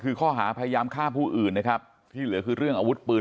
คือข้อหาพยายามฆ่าผู้อื่นนะครับที่เหลือคือเรื่องอาวุธปืน